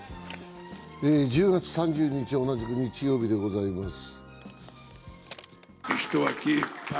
１０月３０日、同じく日曜日でございます。